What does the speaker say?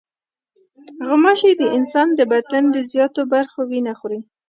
غوماشې د انسان د بدن د زیاتو برخو وینه خوري.